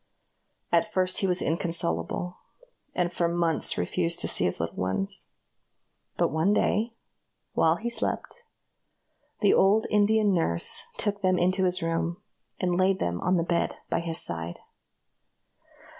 At first he was inconsolable, and for months refused to see his little ones; but one day, while he slept, the old Indian nurse took them into his room, and laid them on the bed by his side.